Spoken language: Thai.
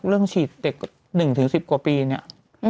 เรื่องฉีดเด็ก๑๑๐กว่าปีเนี่ย